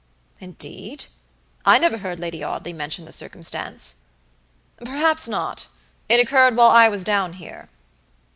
"Indeed! I never heard Lady Audley mention the circumstance." "Perhaps not. It occurred while I was down here.